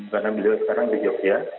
karena beliau sekarang di jogja